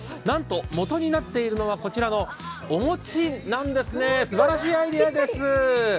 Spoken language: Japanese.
なんと元になっているのはこちらのお餅なんですね、すばらしいアイデアです。